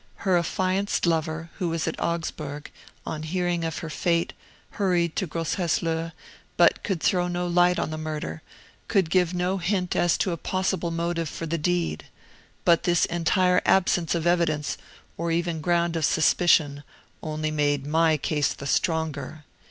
Her affianced lover, who was at Augsburg, on hearing of her fate, hurried to Grosshesslohe, but could throw no light on the murder, could give no hint as to a possible motive for the deed. But this entire absence of evidence, or even ground of suspicion, only made MY case the stronger.